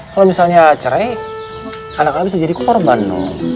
kalau misalnya cerai anaknya bisa jadi korban